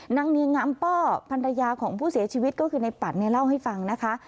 นางเนียงงามป้อพันรยาของผู้เสียชีวิตก็คือในปั่นเนี่ยเล่าให้ฟังนะคะ